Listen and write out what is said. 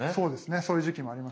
そういう時期もありましたね。